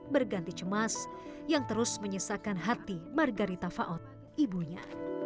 berganti cemas yang terus menyesakan hati margarita faot ibunya